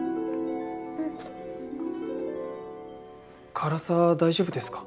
辛さ大丈夫ですか？